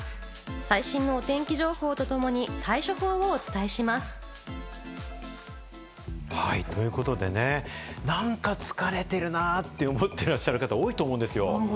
最新のお天気情報とともに、対処法をお伝えします。ということでね、なんか疲れてるなって思ってらっしゃる方、多いと思うんですよ。